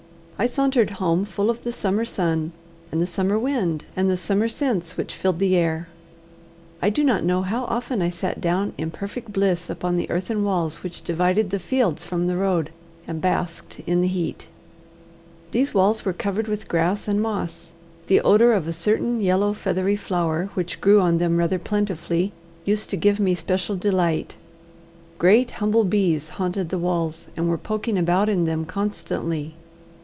I sauntered home full of the summer sun, and the summer wind, and the summer scents which filled the air. I do not know how often I sat down in perfect bliss upon the earthen walls which divided the fields from the road, and basked in the heat. These walls were covered with grass and moss. The odour of a certain yellow feathery flower, which grew on them rather plentifully, used to give me special delight. Great humble bees haunted the walls, and were poking about in them constantly.